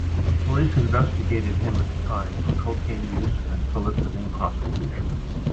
Police investigated him at the time for cocaine use and soliciting prostitution.